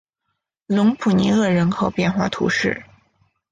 隆普尼厄人口变化图示